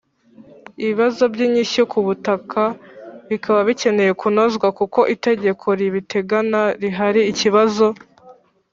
Ibibazo by inyishyu ku butaka bikaba bikeneye kunozwa kuko itegeko ribitegana rihari ikibazo